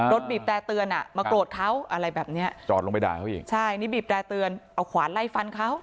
บีบแต่เตือนอ่ะมาโกรธเขาอะไรแบบเนี้ยจอดลงไปด่าเขาอีกใช่นี่บีบแต่เตือนเอาขวานไล่ฟันเขา